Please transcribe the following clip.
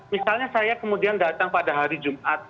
misalnya saya kemudian datang pada hari jumat